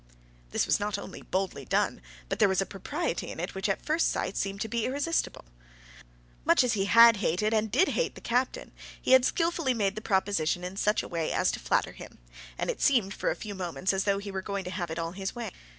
This was not only boldly done, but there was a propriety in it which at first sight seemed to be irresistible. Much as he had hated and did hate the captain, he had skilfully made the proposition in such a way as to flatter him, and it seemed for a few moments as though he were going to have it all his own way.